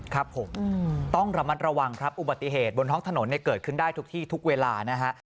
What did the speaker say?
ครับผมต้องระมัดระวังครับอุบัติเหตุบนท้องถนนเนี่ยเกิดขึ้นได้ทุกที่ทุกเวลานะฮะ